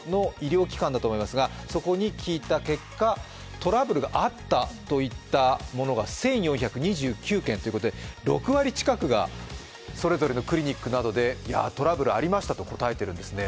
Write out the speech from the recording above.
トラブルがあったといったものが１４２９件ということで６割近くがそれぞれのクリニックなどで、「トラブルありました」と答えてるんですね。